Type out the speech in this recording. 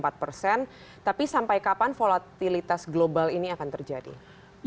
tapi sampai kapan volatilitas global ini akan terjadi